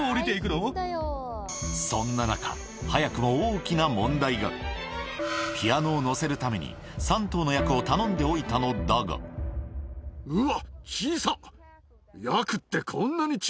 そんな中ピアノを載せるために３頭のヤクを頼んでおいたのだがうわ。